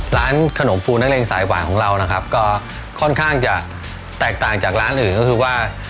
ร้านขนมฟูนักเรงสายหวานของเรานะครับก็ค่อนข้างจะแตกต่างจากร้านอื่นก็คือว่า